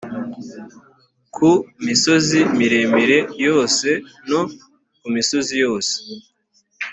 ku misozi miremire yose no ku misozi yose